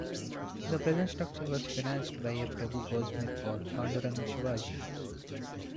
The present structure was financed by a Prabhu goldsmith called Pandurang Shivaji.